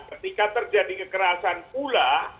ketika terjadi kekerasan pula